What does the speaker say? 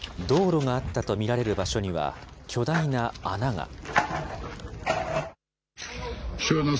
道路があったと見られる場所には、巨大な穴が。